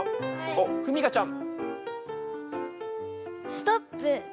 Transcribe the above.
おっふみかちゃん。